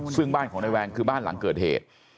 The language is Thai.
ซึ่งบ้านของนายแวงคือบ้านหลังเกิดเหตุ